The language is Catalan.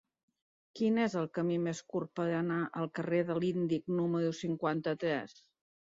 Quin és el camí més curt per anar al carrer de l'Índic número cinquanta-tres?